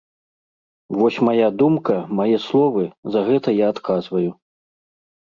Вось мая думка, мае словы, за гэта я адказваю.